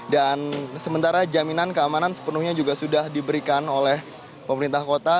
dan sementara jaminan keamanan sepenuhnya juga sudah diberikan oleh pemerintah kota